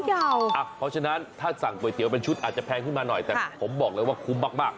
เพราะฉะนั้นถ้าสั่งก๋วยเตี๋ยวเป็นชุดอาจจะแพงขึ้นมาหน่อยแต่ผมบอกเลยว่าคุ้มมาก